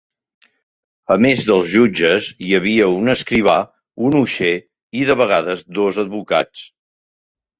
A més dels jutges hi havia un escrivà, un uixer i, de vegades, dos advocats.